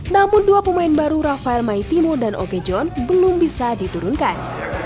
namun dua pemain baru rafael maitimu dan ogejon belum bisa diturunkan